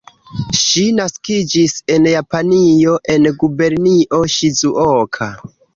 Ŝi naskiĝis en Japanio, en Gubernio Ŝizuoka.